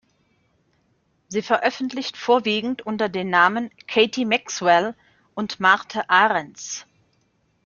Sie veröffentlicht vorwiegend unter den Namen "Katie Maxwell" und "Marthe Arends".